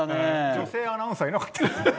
女性アナウンサーいなかった。